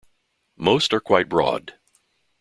Most are quite broad.